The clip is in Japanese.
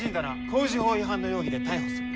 航時法違反の容疑で逮捕する！